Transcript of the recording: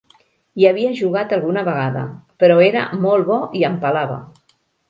Hi havia jugat alguna vegada, però era molt bo i em pelava.